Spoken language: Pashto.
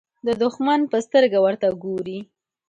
د دښمن په سترګه ورته ګوري.